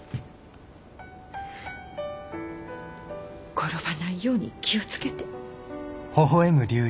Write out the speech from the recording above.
転ばないように気を付けて。